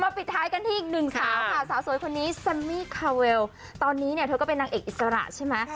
ปิดท้ายกันที่อีกหนึ่งสาวค่ะสาวสวยคนนี้แซมมี่คาเวลตอนนี้เนี่ยเธอก็เป็นนางเอกอิสระใช่ไหม